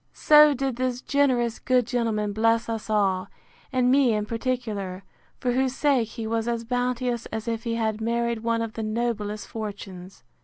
So did this generous good gentleman bless us all, and me in particular; for whose sake he was as bounteous as if he had married one of the noblest fortunes.